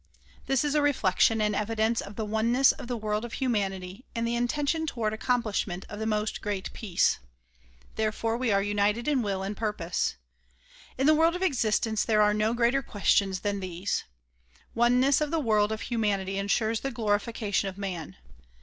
This is a reflection and evidence of the oneness of the world of humanity and the intention toward accomplishment of the "Most Great Peace." Therefore we are united in will and purpose. In the world of existence there are no greater questions than these. Oneness of the world of humanity insures the glorification of man.